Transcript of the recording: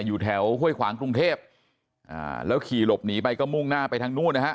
อยู่แถวห้วยขวางกรุงเทพอ่าแล้วขี่หลบหนีไปก็มุ่งหน้าไปทางนู้นนะฮะ